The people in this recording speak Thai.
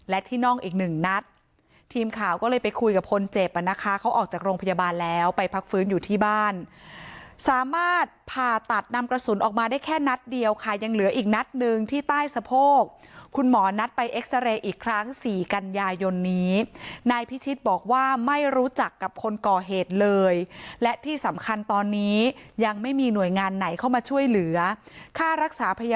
และที่น่องอีกหนึ่งนัดทีมข่าวก็เลยไปคุยกับคนเจ็บอ่ะนะคะเขาออกจากโรงพยาบาลแล้วไปพักฟื้นอยู่ที่บ้านสามารถผ่าตัดนำกระสุนออกมาได้แค่นัดเดียวค่ะยังเหลืออีกนัดหนึ่งที่ใต้สะโพกคุณหมอนัดไปเอ็กซาเรย์อีกครั้งสี่กันยายนนี้นายพิชิตบอกว่าไม่รู้จักกับคนก่อเหตุเลยและที่สำคัญตอนนี้ยังไม่มีหน่วยงานไหนเข้ามาช่วยเหลือค่ารักษาพ